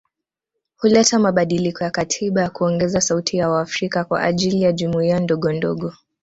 Huleta mabadiliko ya katiba ya kuongeza sauti ya waafrika kwa ajili ya jumuiya ndogondogo